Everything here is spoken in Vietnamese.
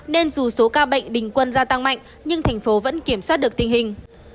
nên dù số ca bệnh bình quân gia tăng mạnh nhưng thành phố vẫn kiểm soát được tình hình